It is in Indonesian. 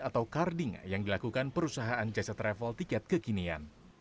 atau carding yang dilakukan perusahaan jasa travel tiket kekinian